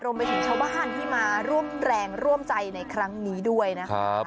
ไปถึงชาวบ้านที่มาร่วมแรงร่วมใจในครั้งนี้ด้วยนะครับ